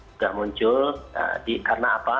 sudah muncul karena apa